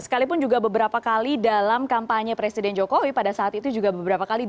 sekalipun juga beberapa kali dalam kampanye presiden jokowi pada saat itu juga beberapa kali